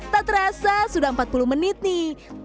tak terasa sudah empat puluh menit nih